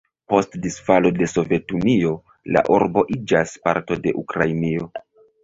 Post disfalo de Sovetunio la urbo iĝas parto de Ukrainio.